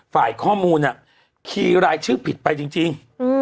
ฝ่ายข้อมูลคีย์รายชื่อผิดไปจริง